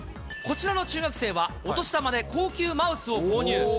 こちらの中学生は、お年玉で高級マウスを購入。